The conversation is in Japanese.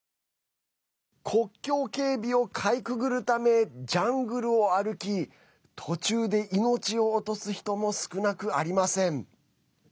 国境警備をかいくぐるためジャングルを歩き途中で命を落とす人も少なくありません。